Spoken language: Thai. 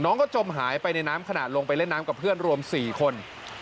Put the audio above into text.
น้องก็จมหายไปในน้ำขนาดลงไปเล่นน้ำกับเพื่อนรวม๔คน